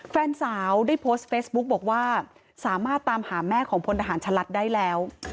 แฟนสาวได้โพสต์เฟซบุ๊กบอกว่าสามารถตามหาแม่ของพลทหารชะลัดได้แล้ว